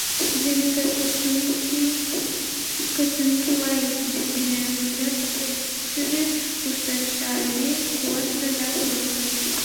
ځینې کره کتونکي وايي چې د غیرت چغې وروسته شاعري قوت له لاسه ورکړ.